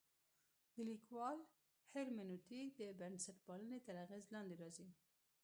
د لیکوال هرمنوتیک د بنسټپالنې تر اغېز لاندې راځي.